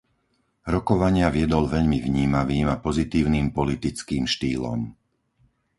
Rokovania viedol veľmi vnímavým a pozitívnym politickým štýlom.